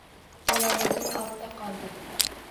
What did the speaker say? Bolaliging ortda qoldi.